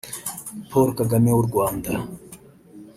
Paul Kagame w’u Rwanda